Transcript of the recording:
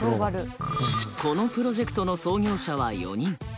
このプロジェクトの創業者は４人。